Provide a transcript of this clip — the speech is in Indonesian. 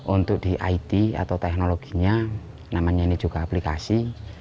untuk di it atau teknologinya namanya ini juga aplikasi